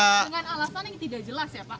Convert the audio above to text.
dengan alasan yang tidak jelas ya pak